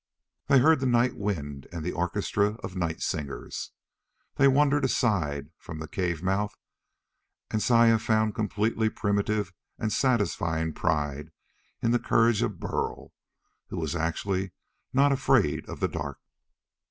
They heard the nightwind and the orchestra of night singers. They wandered aside from the cave mouth and Saya found completely primitive and satisfying pride in the courage of Burl, who was actually not afraid of the dark!